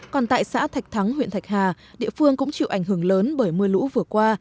còn tại xã thạch thắng huyện thạch hà địa phương cũng chịu ảnh hưởng lớn bởi mưa lũ vừa qua